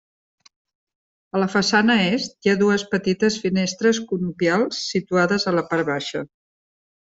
A la façana est hi ha dues petites finestres conopials situades a la part baixa.